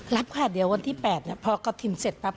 รับค่ะเดี๋ยววันที่๘พอกระถิ่นเสร็จปั๊บ